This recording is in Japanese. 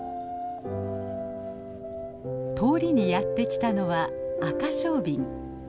通りにやってきたのはアカショウビン。